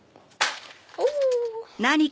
お！